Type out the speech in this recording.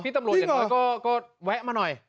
ตำรวจอย่างน้อยก็แวะมาหน่อย